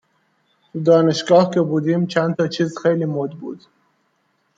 تو دانشگاه که بودیم چند تا چیز خیلی مُد بود